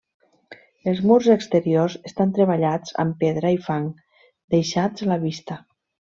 Els murs exteriors estan treballats amb pedra i fang deixats a la vista.